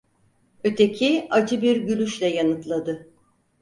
Öteki acı bir gülüşle yanıtladı: